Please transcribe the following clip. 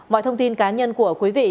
mọi thông tin cá nhân của quý vị